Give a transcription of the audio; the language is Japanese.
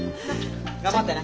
頑張ってね！